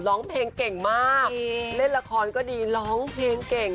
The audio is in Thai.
ร้องเพลงเก่งมากเล่นละครก็ดีร้องเพลงเก่ง